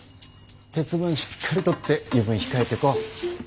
鉄分しっかりとって油分控えてこ！